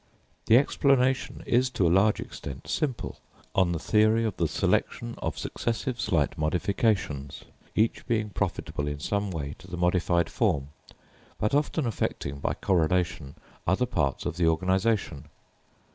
The explanation is to a large extent simple, on the theory of the selection of successive slight modifications, each being profitable in some way to the modified form, but often affecting by correlation other parts of the organisation.